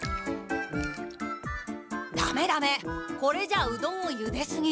ダメダメこれじゃあうどんをゆですぎ。